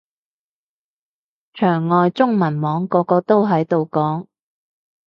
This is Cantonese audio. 牆外中文網個個都喺度講